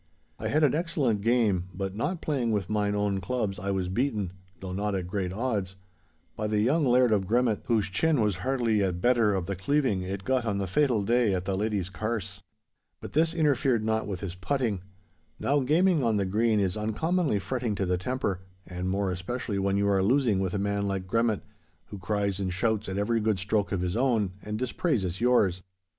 I had an excellent game, but, not playing with mine own clubs, I was beaten (though not at a great odds), by the young Laird of Gremmat, whose chin was hardly yet better of the cleaving it got on the fatal day at the Lady's Carse. But this interfered naught with his putting. Now gaming on the green is uncommonly fretting to the temper, and more especially when you are losing with a man like Gremmat, who cries and shouts at every good stroke of his own and dispraises yours.